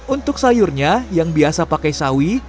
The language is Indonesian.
untuk sayurnya yang biasa pakai sawi